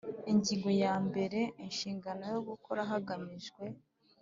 Ingingo ya mbere Inshingano yo gukora hagamijwe